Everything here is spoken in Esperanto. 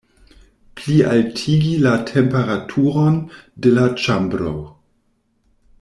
Plialtigi la temperaturon de la ĉambro!